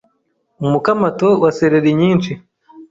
umukamato wa seleri nyinshi